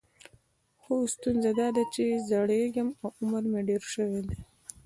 خو ستونزه دا ده چې زړیږم او عمر مې ډېر شوی دی.